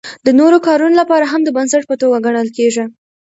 د نورو کارونو لپاره هم د بنسټ په توګه ګڼل کیږي.